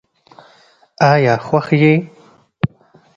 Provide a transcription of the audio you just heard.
آیا خوښ یې؟